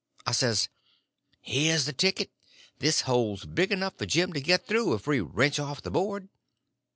I says: "Here's the ticket. This hole's big enough for Jim to get through if we wrench off the board."